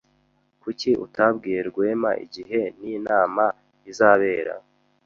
Kuki utabwiye Rwema igihe ninama izabera?